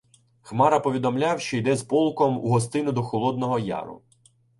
Хмара повідомляв, що йде з полком у гостину до Холодного Яру.